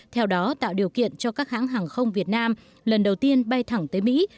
theo đó tạo điều kiện cho các hãng hàng không việt nam lần đầu tiên bay thẳng tới mỹ